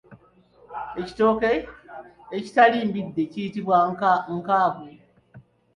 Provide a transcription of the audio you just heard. Ekitooke ekitali mbidde kiyitibwa Nkago.